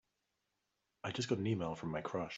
I just got an e-mail from my crush!